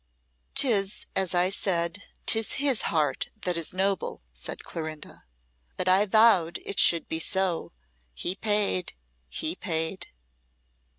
"'Tis as I said 'tis his heart that is noble," said Clorinda. "But I vowed it should be so. He paid he paid!"